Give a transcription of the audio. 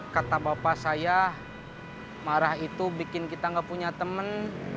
kata bapak saya marah itu bikin kita gak punya temen